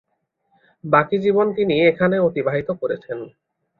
বাকি জীবন তিনি এখানে অতিবাহিত করেছেন।